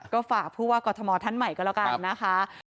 ก็ฝากผู้ว่ากรทมท่านใหม่ก็แล้วกันนะคะ